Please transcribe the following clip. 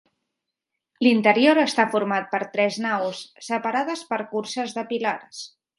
L'interior està format per tres naus, separades per curses de pilars.